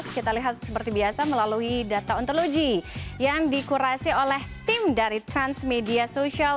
kita lihat seperti biasa melalui data ontologi yang dikurasi oleh tim dari transmedia social